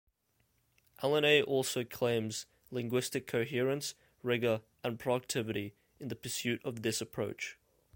Alinei also claims linguistic coherence, rigor and productivity in the pursuit of this approach.